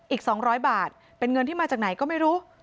อีก๒๐๐บาทเป็นเงินที่มาจากไหนก็ไม่รู้